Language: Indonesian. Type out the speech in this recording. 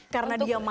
karena dia mau